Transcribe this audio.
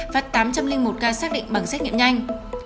và tám trăm linh một ca xác định bằng xét nghiệm nhanh